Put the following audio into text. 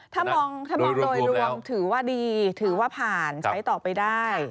ถ้ามองโดยรวมถือว่าดีถือว่าผ่านใช้ต่อไปได้